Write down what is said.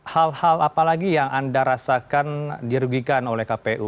hal hal apa lagi yang anda rasakan dirugikan oleh kpu